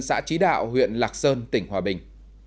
xã trí đạo huyện lạc sơn tỉnh hòa bình